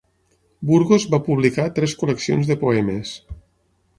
Burgos va publicar tres col·leccions de poemes.